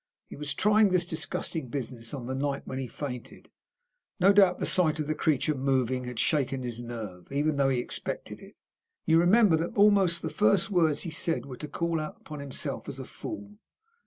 He was trying this disgusting business on the night when he fainted. No doubt the sight of the creature moving had shaken his nerve, even though he had expected it. You remember that almost the first words he said were to call out upon himself as a fool.